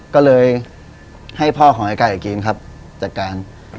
ก็เลยให้พ่อของไอ้ไก่กินครับจัดการ